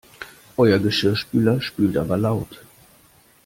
Euer Geschirrspüler spült aber laut!